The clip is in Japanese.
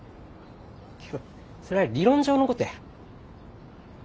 けどそれは理論上のことや。